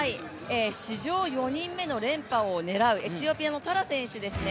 史上４人目の連覇を狙うエチオピアのトラ選手ですね。